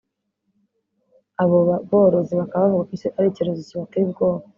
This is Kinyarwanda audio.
Abo borozi bakaba bavuga ko icyo ari icyorezo kibateye ubwoba